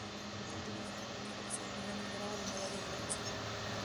En la primera competición, llegó a las semifinales, ganando la medalla de bronce.